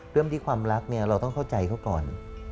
เริ่มที่ความรักเนี่ยเราต้องเข้าใจเขาก่อน